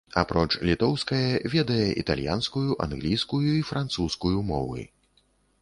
Апроч літоўскае, ведае італьянскую, англійскую і французскую мовы.